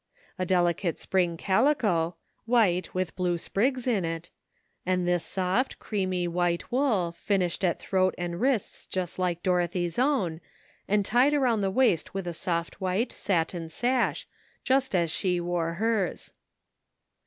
A delicate spring calico — white, with blue sprigs in it — and this soft, creamy white wool, finished at throat and wrists just like Dorothy's own, and tied around the waist with a soft white satin sash, just as she wore hers.